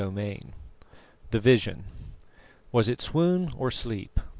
CHAPTER IV THE VISION Was it swoon or sleep?